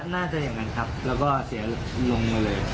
น่าจะอย่างนั้นครับแล้วก็เสียลงมาเลย